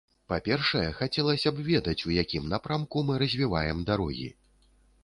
Па-першае, хацелася б ведаць, у якім напрамку мы развіваем дарогі.